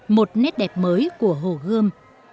một nét đẹp mới của hồ gươm